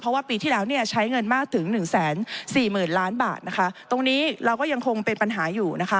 เพราะว่าปีที่แล้วใช้เงินมากถึง๑๔๐๐๐๐บาทตรงนี้เราก็ยังคงเป็นปัญหาอยู่